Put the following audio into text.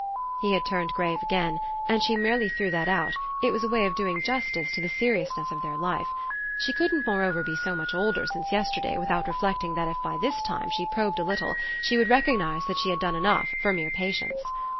He had turned grave again, and she merely threw that out: it was a way of doing justice to the seriousness of their life. She couldn't moreover be so much older since yesterday without reflecting that if by this time she probed a little he would recognise that she had done enough for mere patience.